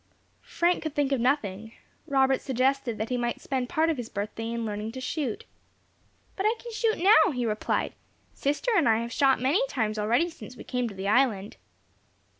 Frank could think of nothing. Robert suggested that he might spend part of his birthday in learning to shoot. "But I can shoot now," he replied. "Sister and I have shot many times already since we came to the island."